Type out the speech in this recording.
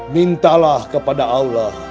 mintalah kepada allah